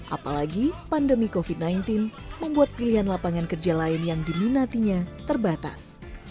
apalagi pandemi covid sembilan belas membuat pilihan lapangan kerja lain yang diminatinya terbatas